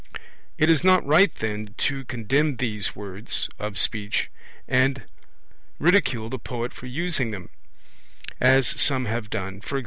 It is not right, then, to condemn these modes of speech, and ridicule the poet for using them, as some have done; e.g.